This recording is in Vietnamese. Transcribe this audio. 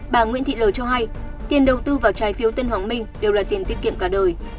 bà nguyễn thị lời cho hay tiền đầu tư vào trái phiếu tân hoàng minh đều là tiền tiết kiệm cả đời